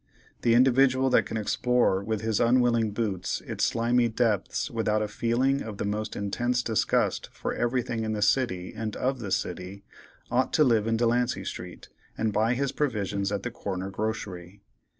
The individual that can explore with his unwilling boots its slimy depths without a feeling of the most intense disgust for everything in the city and of the city, ought to live in Delancey street and buy his provisions at the corner grocery.